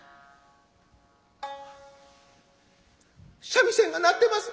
「三味線が鳴ってます！」。